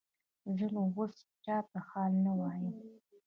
زه نو اوس چاته حال نه وایم.